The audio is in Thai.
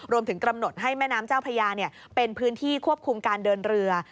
รวมถึงกำหนดให้แม่น้ำเจ้าพระยาเป็นพื้นที่ควบคุมการเดินเรือ